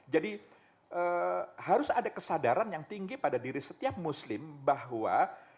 harus ada kesadaran yang tinggi pada diri setiap muslim bahwa